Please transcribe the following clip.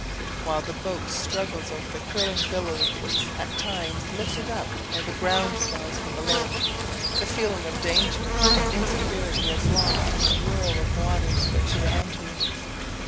While the boat struggles over the curling billows, at times lifted up by the ground swells from below, the feeling of danger and insecurity is lost in the whirl of waters that surround you.